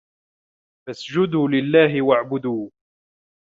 فَاسجُدوا لِلَّهِ وَاعبُدوا